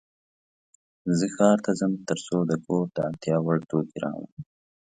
زه ښار ته ځم ترڅو د کور د اړتیا وړ توکې راوړم.